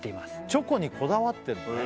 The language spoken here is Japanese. チョコにこだわってるのね